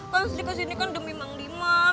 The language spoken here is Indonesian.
kan sri kesini kan demi mang diman